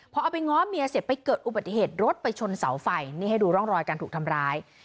พอเอาไปง้อเมียเสร็จไปเกิดอุบัติเหตุรถไปชนเสาไฟนี่ให้ดูร่องรอยการถูกทำร้าย